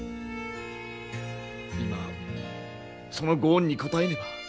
今そのご恩に応えねば。